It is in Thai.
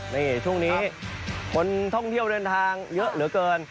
นี่ช่วงนี้คนท่องเที่ยวเดินทางเยอะเหลือเกิน